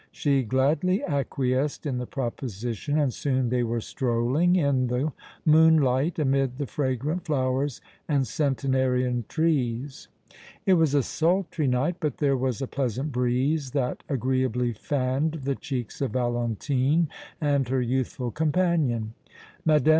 She gladly acquiesced in the proposition and soon they were strolling in the moonlight amid the fragrant flowers and centenarian trees. It was a sultry night, but there was a pleasant breeze that agreeably fanned the cheeks of Valentine and her youthful companion. Mme.